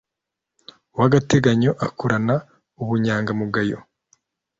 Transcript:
w agateganyo akorana ubunyangamugayo